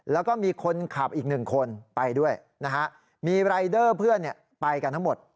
แล้วก็มีคนขับอีกหนึ่งคนไปด้วยนะฮะมีรายเดอร์เพื่อนไปกันทั้งหมด